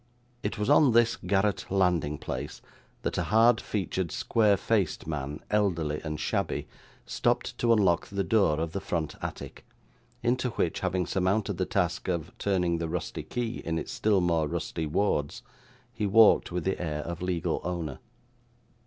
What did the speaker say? It was on this garret landing place that a hard featured square faced man, elderly and shabby, stopped to unlock the door of the front attic, into which, having surmounted the task of turning the rusty key in its still more rusty wards, he walked with the air of legal owner.